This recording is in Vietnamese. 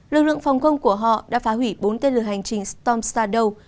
lực lượng phòng không của họ đã phá hủy bốn tên lửa hành trình storm stardust